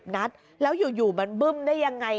นัดแล้วอยู่มันบึ้มได้ยังไง